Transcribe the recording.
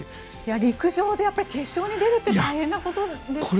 陸上で決勝に出るって大変なことですよね。